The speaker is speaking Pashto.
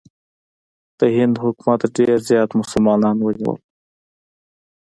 د هند حکومت ډېر زیات مسلمانان ونیول.